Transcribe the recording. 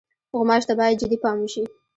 غوماشې ته باید جدي پام وشي.